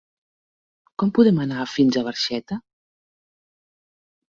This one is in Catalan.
Com podem anar fins a Barxeta?